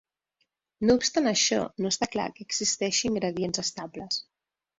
No obstant això, no està clar que existeixin gradients estables.